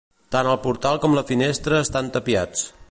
Tant el portal com la finestra estan tapiats.